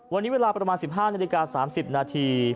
วันนี้เวลาประมาณ๑๕นาฬิกา๓๐นาที